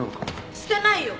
捨てないよ！